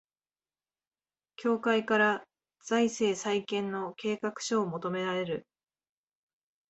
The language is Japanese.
協会から財政再建の計画書を求められる